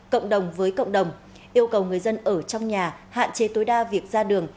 cộng đồng với cộng đồng yêu cầu người dân ở trong nhà hạn chế tối đa việc ra đường